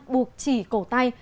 buộc chỉ cầu tay